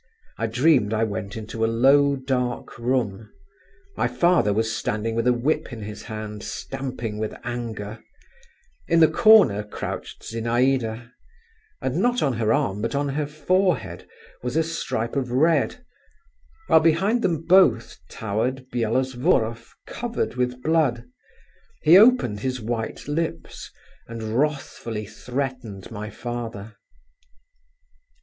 I dreamed I went into a low dark room…. My father was standing with a whip in his hand, stamping with anger; in the corner crouched Zinaïda, and not on her arm, but on her forehead, was a stripe of red … while behind them both towered Byelovzorov, covered with blood; he opened his white lips, and wrathfully threatened my father.